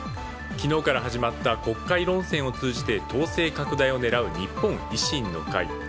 昨日から始まった国会論戦を通じて党勢拡大を狙う日本維新の会。